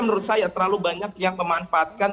menurut saya terlalu banyak yang memanfaatkan